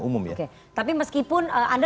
umum ya oke tapi meskipun anda